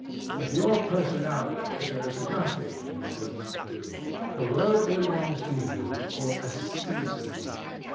With your personality there is nothing you could not do. The world belongs to you for a season....